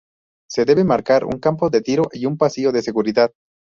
Se debe marcar un campo de tiro y un pasillo de seguridad.